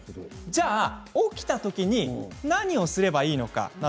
起きたときに何をすればいいのか。